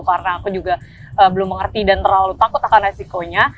karena aku juga belum mengerti dan terlalu takut akan resikonya